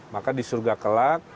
maka di surga kelak